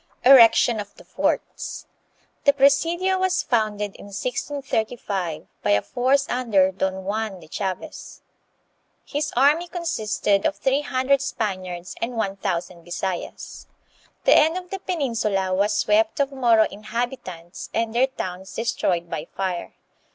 Erection of the Forts. The presidio was founded in 1635, by a force under Don Juan de Chaves. His army consisted of three hundred Spaniards and one thousand Bisayas. The end of the peninsula was swept of Moro inhabitants and their towns destroyed by fire.